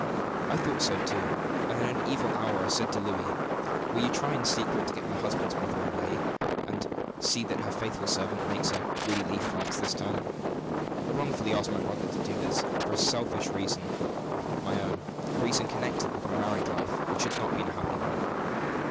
I thought so too; and in an evil hour I said to Louis: 'Will you try in secret to get my husband's mother away, and see that her faithful servant makes her really leave France this time?' I wrongly asked my brother to do this for a selfish reason of my own a reason connected with my married life, which has not been a happy one.